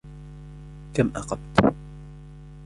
كَم أقمت؟